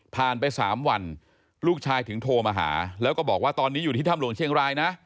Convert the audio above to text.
ไป๓วันลูกชายถึงโทรมาหาแล้วก็บอกว่าตอนนี้อยู่ที่ถ้ำหลวงเชียงรายนะ